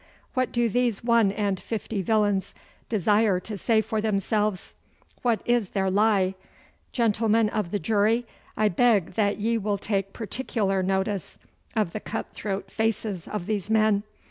What do these one and fifty villains desire to say for themselves? What is their lie? Gentlemen of the jury, I beg that ye will take particular notice of the cut throat faces of these men.